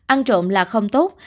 ăn trộm là không tốt